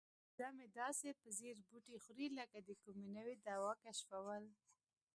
وزه مې داسې په ځیر بوټي خوري لکه د کومې نوې دوا کشفول.